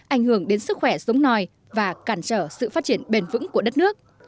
ảnh hưởng đến sức khỏe sống nòi và cản trở sự phát triển bền vững của đất nước